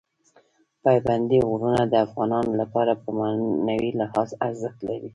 پابندی غرونه د افغانانو لپاره په معنوي لحاظ ارزښت لري.